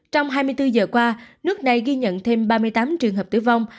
trong hai mươi bốn giờ qua nước này ghi nhận thêm ba mươi tám trường hợp tử vong